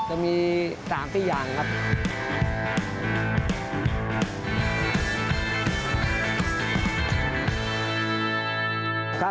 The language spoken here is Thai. จะมี๓๔บาท